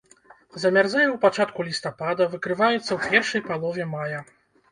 Замярзае ў пачатку лістапада, выкрываецца ў першай палове мая.